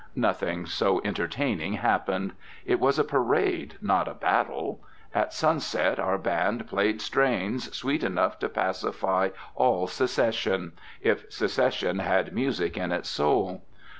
Nothing so entertaining happened. It was a parade, not a battle. At sunset our band played strains sweet enough to pacify all Secession, if Secession had music in its soul.